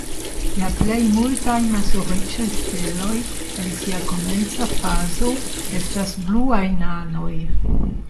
La plej multaj maso-riĉaj steloj en sia komenca fazo estas bluaj nanoj.